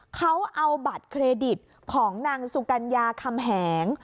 เขาเอาบัตรเครดิตของนางสุกัญญาคำแหง